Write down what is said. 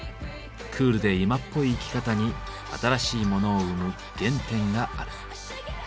クールで今っぽい生き方に新しいモノを生む原点がある。